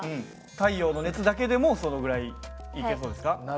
太陽の熱だけでもそのぐらいいけそうですか？